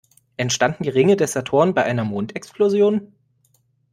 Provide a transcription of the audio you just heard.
Entstanden die Ringe des Saturn bei einer Mondexplosion?